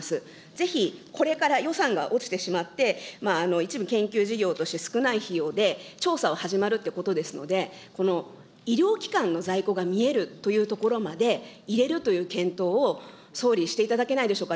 ぜひ、これから予算が落ちてしまって、一部研究事業として少ない費用で調査を始まるということですので、この医療機関の在庫が見えるというところまでという検討を、総理、していただけないでしょうか。